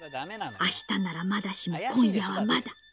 ［あしたならまだしも今夜はまだ］